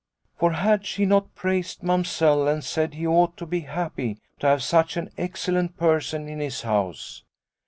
For had she not praised Mamsell and said he ought to be happy to have such an excellent person in his house